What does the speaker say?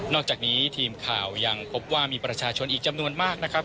อกจากนี้ทีมข่าวยังพบว่ามีประชาชนอีกจำนวนมากนะครับ